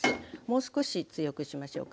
もう少し強くしましょうか。